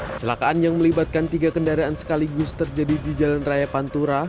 kecelakaan yang melibatkan tiga kendaraan sekaligus terjadi di jalan raya pantura